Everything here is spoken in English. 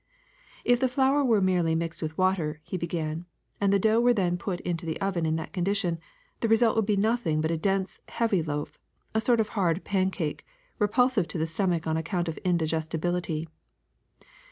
''If the flour were merely mixed \vith water,'' he began, ''and the dough were then put into the oven in that condition, the result would be nothing but a dense, heavy loaf, a sort of hard pancake, repulsive to the stomach on account of its indigestibility.